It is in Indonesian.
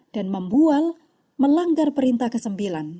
dan membual melanggar perintah kesembilan